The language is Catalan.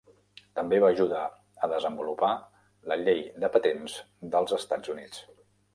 També va ajudar a desenvolupar la llei de patents dels Estats Units.